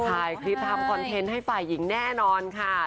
ถ่ายคลิปทำคอนเทนต์ให้ฝ่ายหญิงแน่นอนค่ะ